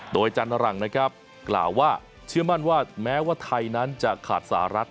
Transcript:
โดยจันรังนะครับกล่าวว่าเชื่อมั่นว่าแม้ว่าไทยนั้นจะขาดสหรัฐ